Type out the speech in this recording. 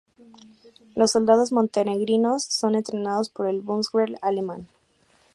Los soldados montenegrinos son entrenados por el Bundeswehr alemán.